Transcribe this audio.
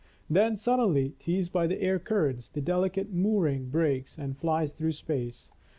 Then, suddenly, teased by the air currents, the delicate moor ing breaks and flies through space.